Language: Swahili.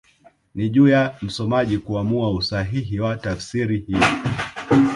Ni juu ya msomaji kuamua usahihi wa tafsiri hiyo